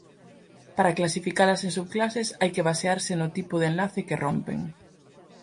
Para clasificalas en subclases hai que basearse no tipo de enlace que rompen.